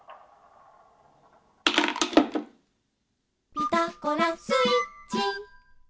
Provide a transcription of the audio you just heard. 「ピタゴラスイッチ」